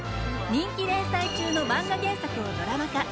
人気連載中のマンガ原作をドラマ化。